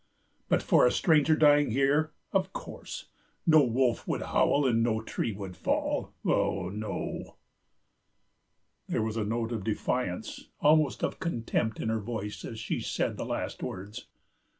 But for a stranger dying here, of course no wolf would howl and no tree would fall. Oh, no." There was a note of defiance, almost of contempt, in her voice as she said the last words.